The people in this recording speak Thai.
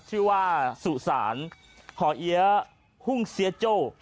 ชื่อว่าสูสารฮ่อเอียฮุ่งเซี๊ห์ฯิว